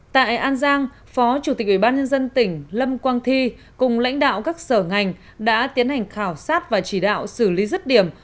tại an giang phó chủ tịch ubnd tỉnh lâm quang thi cùng lãnh đạo các sở ngành đã tiến hành khảo sát và chỉ đạo xử lý rứt điểm